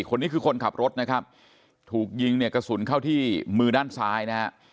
คนนี้คือคนขับรถนะครับถูกยิงเนี่ยกระสุนเข้าที่มือด้านซ้ายนะฮะ